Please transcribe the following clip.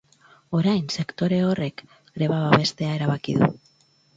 Orain, sektore horrek greba babestea erabaki du.